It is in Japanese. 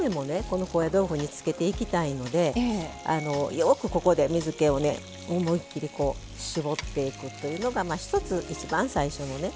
この高野豆腐につけていきたいのでよくここで水けをね思い切り絞っていくというのが一つ一番最初のね